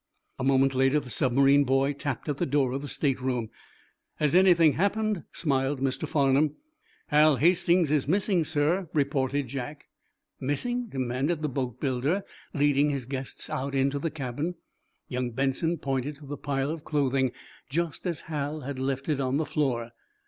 A moment later the submarine boy tapped at the door of the state room. "Has anything happened?" smiled Mr. Farnum. "Hal Hastings is missing, sir," reported Jack. "Missing?" demanded the boatbuilder, leading his guests out into the cabin. Young Benson pointed to the pile of clothing, just as Hal had left it on the floor.